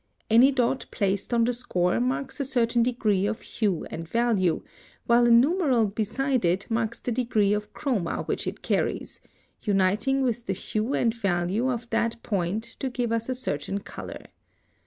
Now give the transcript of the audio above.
Any dot placed on the score marks a certain degree of hue and value, while a numeral beside it marks the degree of chroma which it carries, uniting with the hue and value of that point to give us a certain color.